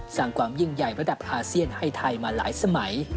สร้างความยิ่งใหญ่ระดับอาเซียนให้ไทยมาหลายสมัย